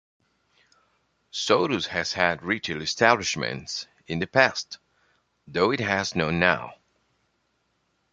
Sodus has had retail establishments in the past, though it has none now.